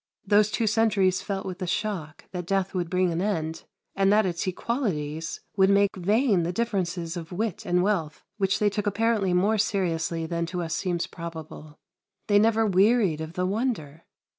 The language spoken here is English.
Those two centuries felt with a shock that death would bring an end, and that its equalities would make vain the differences of wit and wealth which they took apparently more seriously than to us seems probable. They never wearied of the wonder.